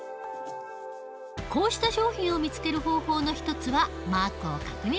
こうした商品を見つける方法の一つはマークを確認する事。